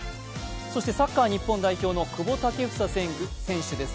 そしてサッカー日本代表の久保建英選手です。